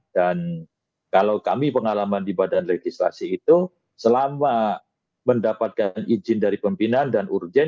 dan kalau kami pengalaman di badan legislasi itu selama mendapatkan izin dari pimpinan dan urgen